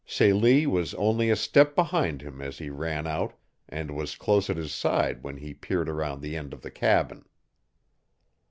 Celie was only a step behind him as he ran out, and was close at his side when he peered around the end of the cabin.